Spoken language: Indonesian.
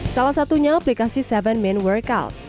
salah satunya aplikasi tujuh mainworkout